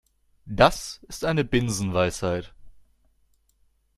Das ist eine Binsenweisheit.